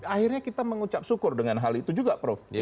akhirnya kita mengucap syukur dengan hal itu juga prof